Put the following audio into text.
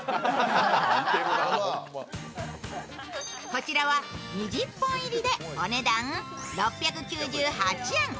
こちらは２０本入りでお値段６９８円。